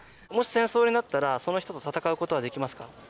もし戦争になったらその人と戦うことはできますか？